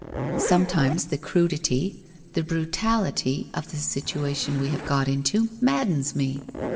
Sometimes the crudity, the brutality of the sit uation we have got into, maddens me.